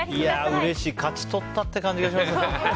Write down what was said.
うれしい勝ち取ったって感じがしますね。